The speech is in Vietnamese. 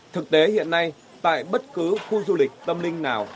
thực tế hiện nay tại bất cứ khu du lịch tâm linh nào